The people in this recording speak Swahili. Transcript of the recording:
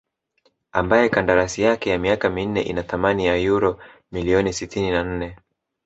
ambaye kandarasi yake ya miaka minne ina thamani ya uro milioni sitini na nne